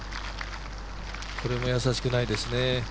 これも易しくないですね。